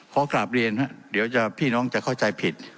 ขอกราบเรียนเดี๋ยวพี่น้องจะเข้าใจผิด